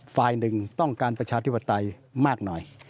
ฝ่ายหนึ่งต้องการประชาธิปไตยมากหน่อย